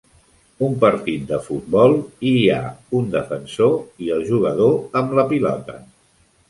un partit de futbol i hi ha un defensor i el jugador amb la pilota